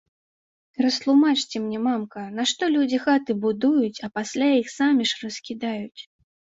Растлумачце мне, мамка, нашто людзі хаты будуюць, а пасля іх самі ж раскідаюць?